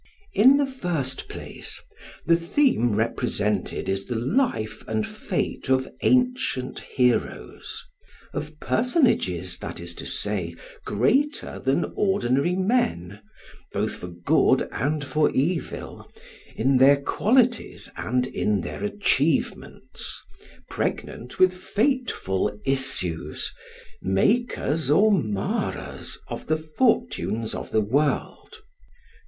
In the first place, the theme represented is the life and fate of ancient heroes of personages, that is to say, greater than ordinary men, both for good and for evil, in their qualities and in their achievements, pregnant with fateful issues, makers or marrers of the fortunes of the world.